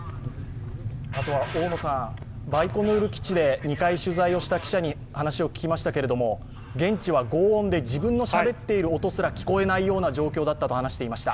あとはバイコヌール基地で２回取材した記者に話を聞きましたけれども現地はごう音で自分のしゃべっている声すら聞こえないというお話でした。